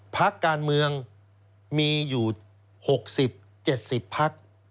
ภักดิ์การเมืองมีอยู่๖๐๗๐ภักดิ์